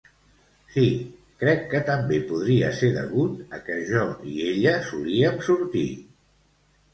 Sí, crec que també podria ser degut a que jo i ella solíem sortir.